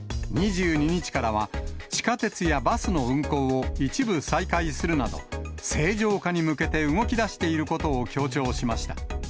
２２日からは地下鉄やバスの運行を一部再開するなど、正常化に向けて動きだしていることを強調しました。